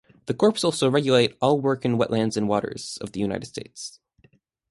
The Corps also regulates all work in wetlands and waters of the United States.